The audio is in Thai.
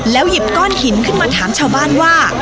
หยิบก้อนหินขึ้นมาถามชาวบ้านว่า